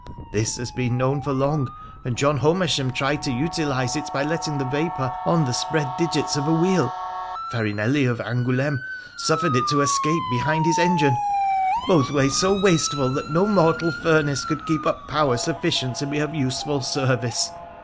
This has been known for long, and John Homersham tried to utilise it by letting the vapour on the spread digits of a wheel ; Farinelli of Angouleme suffered it to escape behind his engine — both ways bo wasteful that no mortal furnace could keep up power suffi cient to be of useful service.